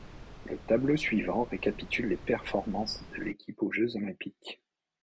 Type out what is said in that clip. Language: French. Le tableau suivant récapitule les performances de l'équipe aux Jeux olympiques.